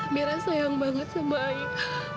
bersayang banget sebaik